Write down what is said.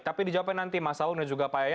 tapi dijawabin nanti mas sabung dan juga pak yaya